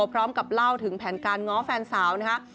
พร้อมกับเล่าถึงแผนการง้อแฟนสาวนะคะ